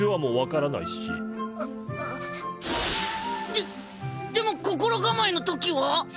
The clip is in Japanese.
ででも心構えのときは？